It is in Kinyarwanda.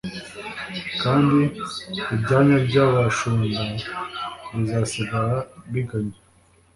kandi ibyanya by’abashumba bizasigara biganya